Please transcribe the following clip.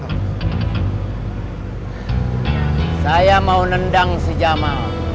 kita kemana selanjutnya